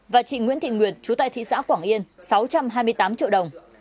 và chị nguyễn thị nguyệt chú tại thị xã quảng yên sáu trăm hai mươi tám triệu đồng